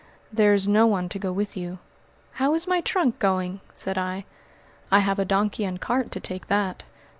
"There is no one to go with you." "How is my trunk going?" said I. "I have a donkey and cart to take that."